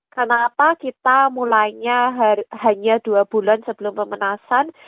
kenapa kita mulainya hanya dua bulan sebelum pementasan